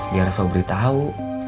biar sobri tahu